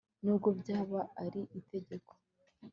Nubwo byaba ari itegeko